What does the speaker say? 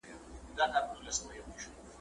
د مېړه يا ترپ دى يا خرپ `